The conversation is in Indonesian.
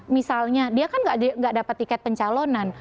misalnya dia kan nggak dapat tiket pencalonan